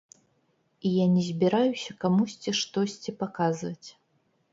І я не збіраюся камусьці штосьці паказваць.